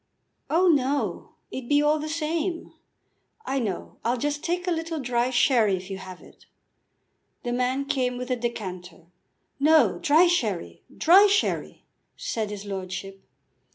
"Oh, no; it'd be all the same, I know. I'll just take a little dry sherry if you have it." The man came with the decanter. "No, dry sherry; dry sherry," said his lordship.